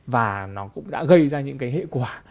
và nó cũng đã gây ra những cái hệ quả